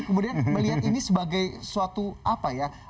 kemudian melihat ini sebagai suatu apa ya